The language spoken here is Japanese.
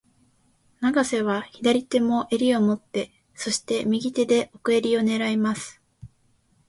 永瀬は左手も襟を持って、そして、右手で奥襟を狙います。